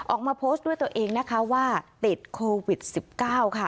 ออกมาโพสต์ด้วยตัวเองนะคะว่าติดโควิด๑๙ค่ะ